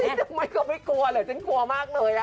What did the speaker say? ที่ทำไมก็ไม่กลัวนะฉันกลัวมากเลย